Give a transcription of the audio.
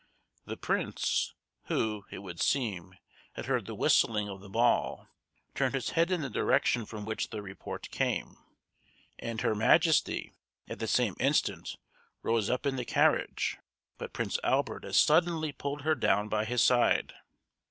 The Prince, who, it would seem, had heard the whistling of the ball, turned his head in the direction from which the report came, and Her Majesty at the same instant rose up in the carriage, but Prince Albert as suddenly pulled her down by his side.